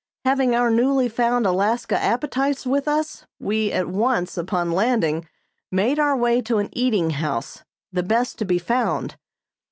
Having our newly found Alaska appetites with us, we at once, upon landing, made our way to an eating house, the best to be found.